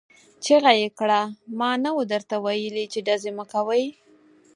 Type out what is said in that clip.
چيغه يې کړه! ما نه وو درته ويلي چې ډزې مه کوئ!